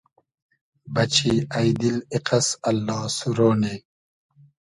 بئچی اݷ دیل ایقئس اللا سورۉ نی